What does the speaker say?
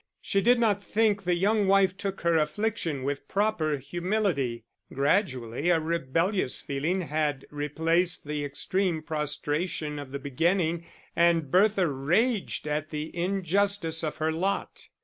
She did not think the young wife took her affliction with proper humility. Gradually a rebellious feeling had replaced the extreme prostration of the beginning, and Bertha raged at the injustice of her lot.